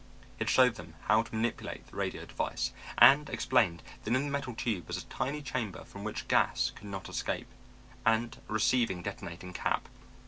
He had showed them how to manipulate the radio device, and explained that in the metal tube was a tiny chamber from which gas could not escape, and a receiving detonating cap.